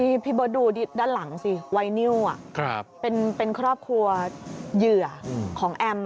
นี่พี่เบิร์ตดูด้านหลังสิไวนิวเป็นครอบครัวเหยื่อของแอม